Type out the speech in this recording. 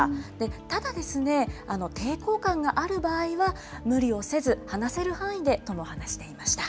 ただですね、抵抗感がある場合は、無理をせず、話せる範囲でとも話していました。